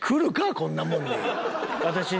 こんなもんに。